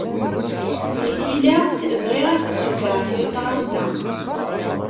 Di tilawt, bɣiɣ ad k-d-ssutreɣ kra tɣawsa.